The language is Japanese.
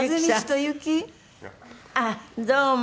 あっどうも。